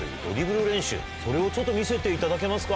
それをちょっと見せていただけますか？